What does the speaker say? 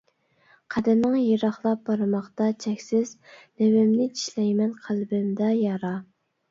قەدىمىڭ يىراقلاپ بارماقتا چەكسىز، لېۋىمنى چىشلەيمەن، قەلبىمدە يارا.